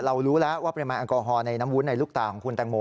รู้แล้วว่าปริมาณแอลกอฮอลในน้ำวุ้นในลูกตาของคุณแตงโม